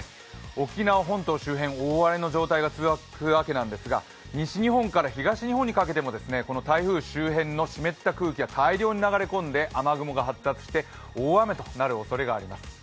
沖縄本島周辺大雨になりそうですが西日本から東日本にかけても台風周辺の湿った空気が大量に流れ込んで雨雲が発達して大雨となるおそれがあります。